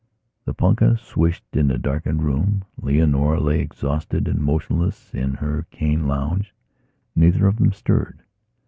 The punkah swished in the darkened room; Leonora lay exhausted and motionless in her cane lounge; neither of them stirred.